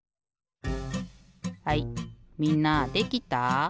はいみんなできた？